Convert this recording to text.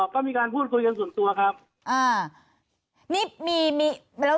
ก็มีการพูดคุยกันส่วนตัวครับ